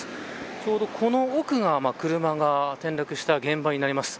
ちょうどこの奥が車が転落した現場になります。